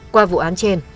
qua vụ án trên